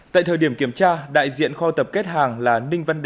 tại thời điểm kiểm tra đại diện kho tập kết hàng là ninh văn đệ